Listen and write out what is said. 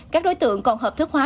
các đối tượng còn hợp thức hóa